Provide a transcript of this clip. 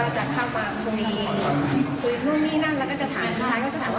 เขาไม่ได้หยุดลูกเราถามว่าลูกหยุดกับแม่เหรอคะ